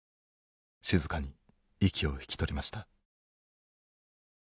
静かに息を引き取りました。